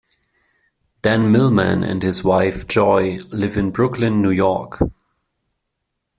Dan Millman and his wife Joy live in Brooklyn, New York.